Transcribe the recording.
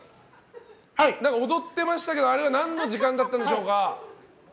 踊ってましたけどあれは何の時間だったんでしょうか。